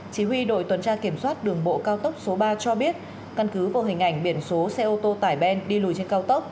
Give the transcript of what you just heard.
chỉ huy đội tuần tra kiểm soát đường bộ cao tốc số ba cho biết căn cứ vào hình ảnh biển số xe ô tô tải ben đi lùi trên cao tốc